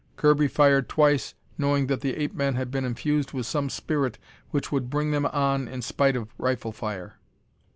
Kirby fired twice, knowing that the ape men had been infused with some spirit which would bring them on in spite of rifle fire.